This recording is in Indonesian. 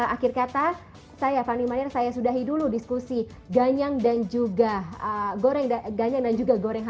akhir kata saya fanny maneer saya sudahi dulu diskusi ganyang dan juga goreng